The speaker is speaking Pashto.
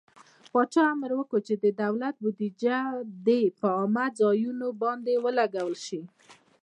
پاچا امر وکړ چې د دولت بودجې د په عامه ځايونو باندې ولګول شي.